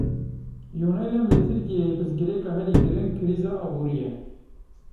Yoneylem li Tirkiyeyê pirsgirêka herî giring krîza aborî ye.